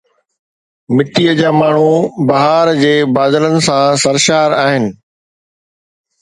مٽيءَ جا ماڻهو بهار جي بادلن سان سرشار آهن